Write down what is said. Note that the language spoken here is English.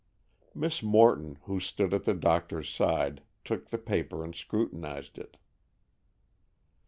Miss Morton, who stood at the doctor's side, took the paper and scrutinized it.